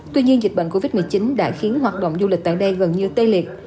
tuy nhiên dịch bệnh covid một mươi chín đã khiến hoạt động du lịch tại đây gần như tê liệt